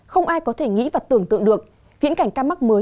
không ai có thể nghĩ và tưởng tượng được viễn cảnh ca mắc mới